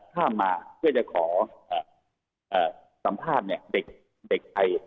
ข้ามมาเพื่อจะขอเอ่อสัมภาพเนี่ยเด็กไทย